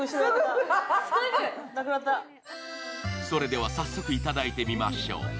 それでは早速頂いてみましょう。